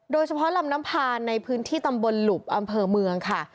โดยเฉพาะลำน้ำพานในพื้นที่ตำบลหลุบอำเภอเมืองค่ะ